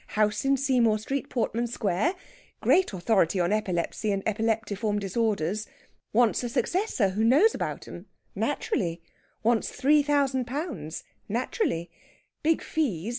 House in Seymour Street, Portman Square. Great authority on epilepsy and epileptiform disorders. Wants a successor who knows about 'em. Naturally. Wants three thousand pounds. Naturally. Big fees!